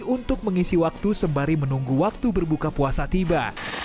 untuk mengisi waktu sembari menunggu waktu berbuka puasa tiba